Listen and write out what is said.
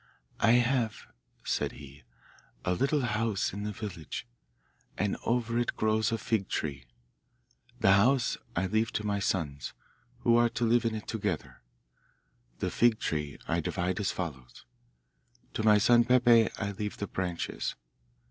'I have,' said he, 'a little house in the village, and over it grows a fig tree. The house I leave to my sons, who are to live in it together; the fig tree I divide as follows. To my son Peppe I leave the branches.